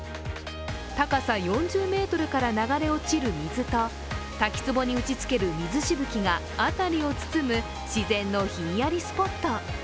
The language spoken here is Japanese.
高さ４０ｍから流れ落ちる水と滝つぼに打ちつける水しぶきが辺りを包む自然のひんやりスポット。